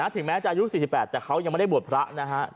ถึงแม้จะอายุ๔๘แต่เขายังไม่ได้บวชพระนะฮะ